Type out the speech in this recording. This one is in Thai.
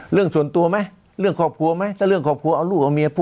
เวลาในส่วนตัวไหมเรื่องขอบคัวไหมไหน